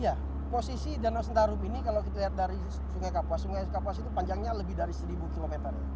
ya posisi danau sentarum ini kalau kita lihat dari sungai kapuas sungai kapuas itu panjangnya lebih dari seribu km